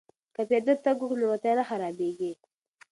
که پیاده تګ وکړو نو روغتیا نه خرابیږي.